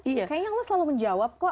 iya kayaknya allah selalu menjawab kok